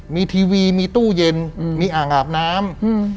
มีทีวีมีตู้เย็นมีอ่างอาบน้ำ